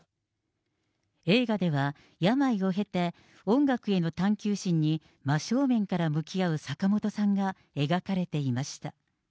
映画では、病を経て音楽への探究心に真正面から向き合う坂本さんが描かれていました。